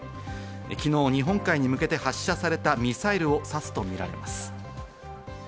昨日、日本海に向けて発射されたミサイルを指すとみられます。